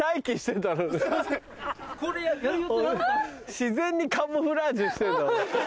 自然にカムフラージュしてんだもん。